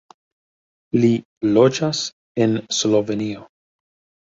Li loĝas en Slovenio.